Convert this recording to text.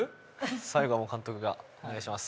最後はもう監督がお願いします